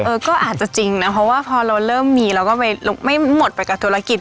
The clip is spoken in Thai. ก็อาจจะจริงนะเพราะว่าพอเราเริ่มมีเราก็ไปไม่หมดไปกับธุรกิจ